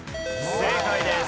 正解です。